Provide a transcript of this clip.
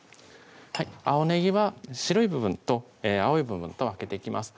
青ねぎは白い部分と青い部分と分けていきます